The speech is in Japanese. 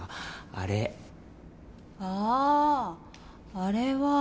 あれは。